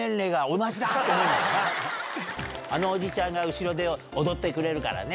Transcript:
あのおじちゃんが後ろで踊ってくれるからね。